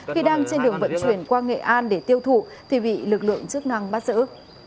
khi đang trên đường vận chuyển qua nghệ an để tiêu thụ thì bị lực lượng chức năng bắt giữ